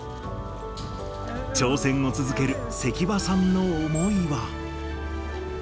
挑戦を続ける関場さんの思いは。